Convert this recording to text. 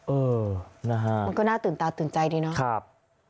เออนะฮะมันก็น่าตื่นตาตื่นใจดีเนาะ